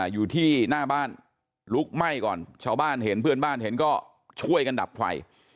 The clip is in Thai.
อยู่ที่หน้าบ้านลุกไหม้ก่อนชาวบ้านเห็นเพื่อนบ้านเห็นก็ช่วยกันดับไฟ